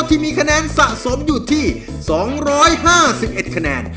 ที่มีคะแนนสะสมอยู่ที่๒๕๑คะแนน